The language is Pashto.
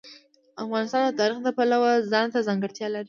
افغانستان د تاریخ د پلوه ځانته ځانګړتیا لري.